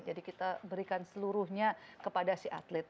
jadi kita berikan seluruhnya kepada si atlet